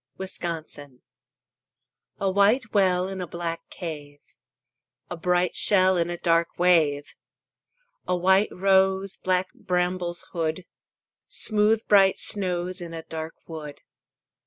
INCANTATION A white well In a black cave; A bright shell In a dark wave. A white rose Black brambles hood; Smooth bright snows In a dark wood.